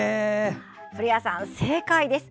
古谷さん、正解です！